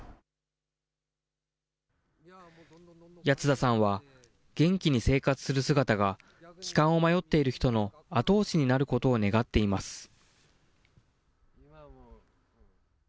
谷津田さんは、元気に生活する姿が、帰還を迷っている人の後押しになることを願っています。